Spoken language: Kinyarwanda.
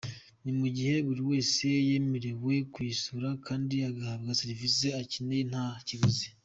Ni mu gihe buri wese yemerewe kuyisura kandi agahabwa serivisi akeneye nta kiguzi.